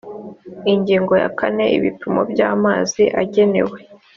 ingingo ya kane ibipimo by amazi agenewe